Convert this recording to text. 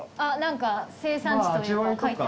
あっ何か生産地というか。